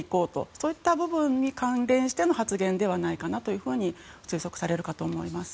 そういった部分に関連しての発言ではないかなと推測されるかと思います。